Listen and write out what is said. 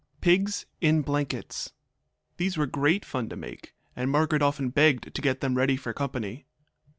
Pigs in Blankets These were great fun to make, and Margaret often begged to get them ready for company.